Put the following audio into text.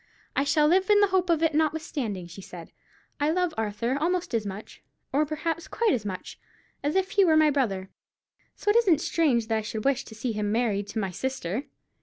"I shall live in the hope of it, notwithstanding," she said. "I love Arthur almost as much—or perhaps quite as much, as if he were my brother—so it isn't strange that I should wish to see him married to my sister."